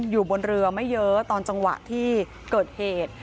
อยู่บนเรือไม่เยอะตอนจังหวะที่เกิดเหตุ